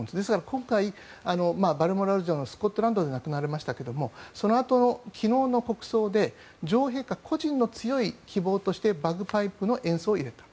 今回、バルモラル城のスコットランドで亡くなられましたけどそのあと昨日の国葬で女王陛下個人の強い希望としてバグパイプの演奏を入れた。